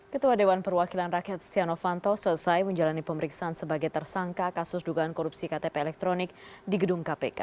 ketua dewan perwakilan rakyat setia novanto selesai menjalani pemeriksaan sebagai tersangka kasus dugaan korupsi ktp elektronik di gedung kpk